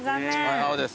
青です。